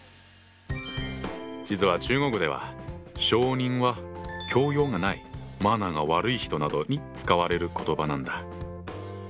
実は中国では小人は教養がないマナーが悪い人などに使われる言葉なんだ。